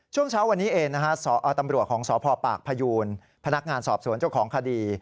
ช่วงเช้าวันนี้เองนะฮะตำรวจของสพปากพยูนพนักงานสอบสวนเจ้าของคดี